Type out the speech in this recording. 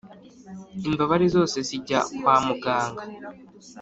imbabare zose zijya kwa muganga